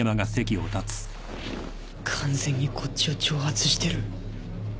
完全にこっちを挑発してる。